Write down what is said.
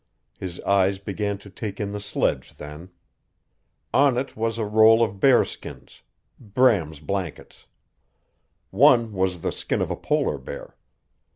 His eyes began to take in the sledge then. On it was a roll of bear skins Bram's blankets. One was the skin of a polar bear.